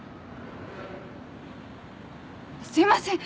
すいません。